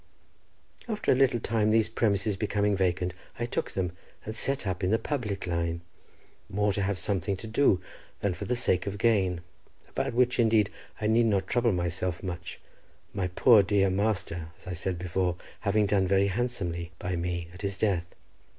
After a little time, these premises becoming vacant, I took them, and set up in the public line, more to have something to do, than for the sake of gain, about which, indeed, I need not trouble myself much; my poor dear master, as I said before, having done very handsomely by me at his death.